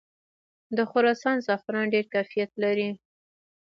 د خراسان زعفران ډیر کیفیت لري.